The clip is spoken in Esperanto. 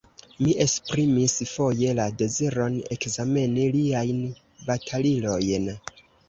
Mi esprimis foje la deziron ekzameni liajn batalilojn.